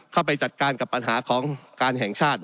เข้าไปจัดการกับปัญหาของการแห่งชาติ